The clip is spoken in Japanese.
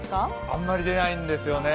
あんまり出ないんですよね。